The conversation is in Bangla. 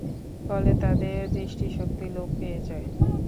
ফলে তাদের দৃষ্টিশক্তি লোপ পেয়ে যায়।